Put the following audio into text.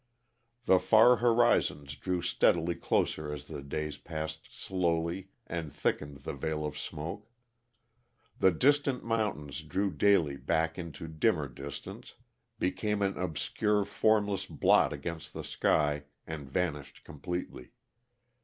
The far horizons drew steadily closer as the days passed slowly and thickened the veil of smoke. The distant mountains drew daily back into dimmer distance; became an obscure, formless blot against the sky, and vanished completely.